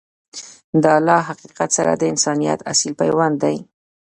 دا له حقیقت سره د انسانیت اصیل پیوند دی.